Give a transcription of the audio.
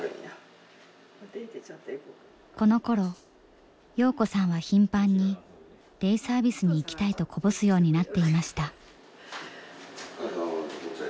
このころ洋子さんは頻繁にデイサービスに行きたいとこぼすようになっていました。